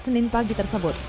senin pagi tersebut